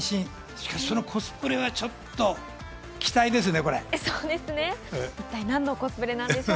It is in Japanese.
しかしそのコスプレはちょっと期待ですね。